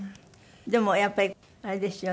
でもやっぱりあれですよね。